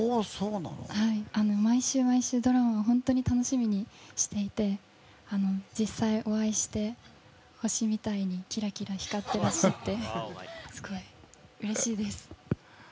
毎週毎週、ドラマを本当に楽しみにしていて実際お会いして、星みたいにキラキラ光ってらっしゃってすごいうれしいです。